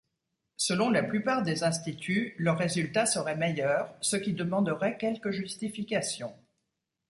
Selon la plupart des instituts leurs résultats seraient meilleurs, ce qui demanderait quelques justifications.